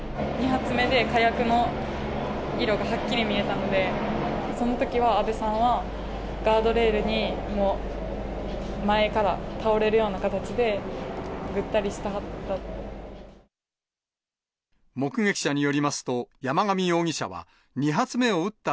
２発目で、火薬の色がはっきり見えたので、そのときは安倍さんは、ガードレールに、もう前から倒れるような形で、ぐったりしてはった。